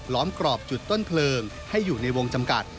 ้อมกรอบจุดต้นเพลิงให้อยู่ในวงจำกัด